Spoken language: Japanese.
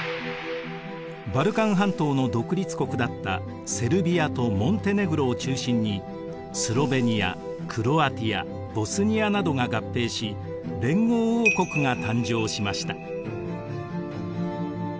バルカン半島の独立国だったセルビアとモンテネグロを中心にスロヴェニアクロアティアボスニアなどが合併し連合王国が誕生しました。